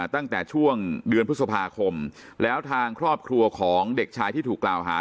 ตั้งแต่ช่วงเดือนพฤษภาคมแล้วทางครอบครัวของเด็กชายที่ถูกกล่าวหา